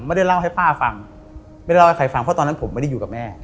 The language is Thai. ไม่ได้เล่าให้ป้าฟังไม่ได้เล่าให้ใครฟังเพราะตอนนั้นผมไม่ได้อยู่กับแม่